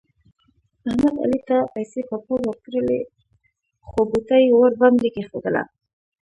احمد علي ته پیسې په پور ورکړلې خو ګوته یې ور باندې کېښودله.